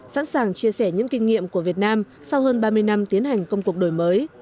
sẵn sàng chia sẻ những kinh nghiệm của việt nam sau hơn ba mươi năm tiến hành công cuộc đổi mới